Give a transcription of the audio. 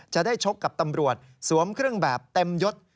ชกกับตำรวจสวมเครื่องแบบเต็มยศ